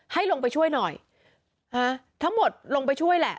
ให้ลงไปช่วยหน่อยฮะทั้งหมดลงไปช่วยแหละ